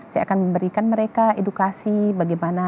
saya akan memberikan mereka edukasi bagaimana